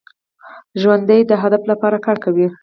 ژوندي د هدف لپاره کار کوي